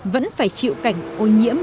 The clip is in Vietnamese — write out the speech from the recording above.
vẫn phải chịu cảnh ô nhiễm